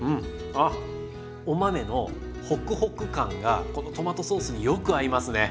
ああお豆のホクホク感がこのトマトソースによく合いますね。